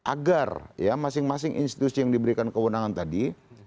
agar ya masing masing institusi yang diberikan kewenangan tadi